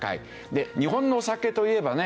で日本のお酒といえばね